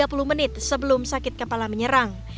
sementara yang terakhir aura migraine tanpa sakit kepala menyerang